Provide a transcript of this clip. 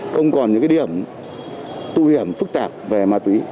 công an huyện lục ngạn trong đó có lượng về ma túy